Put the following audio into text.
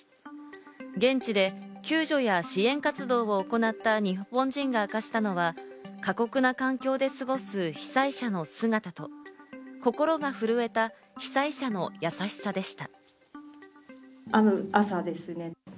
現地で救助や支援活動を行った日本人が明かしたのは、過酷な環境で過ごす被災者の姿と心が震えた被災者の優しさでした。